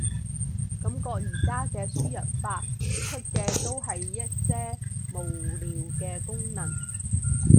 感覺而家嘅輸入法，出嘅都係一些無聊嘅功能